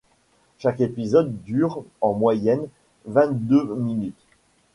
Chaque épisode dure en moyenne vingt-deux minutes.